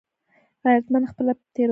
غیرتمند خپله تېروتنه مني